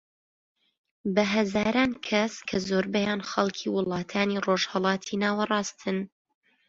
بە هەزاران کەس کە زۆربەیان خەڵکی وڵاتانی ڕۆژهەلاتی ناوەڕاستن